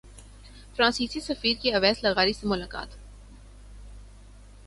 فرانسیسی سفیر کی اویس لغاری سے ملاقات